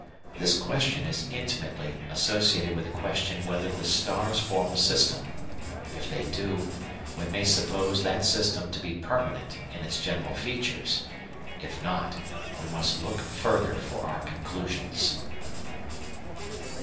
This question is intimately associated with the question whether the stars form a system. If they do, we may suppose that system to be permanent in its general features; if not, we must look further for our conclusions.